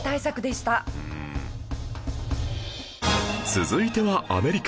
続いてはアメリカ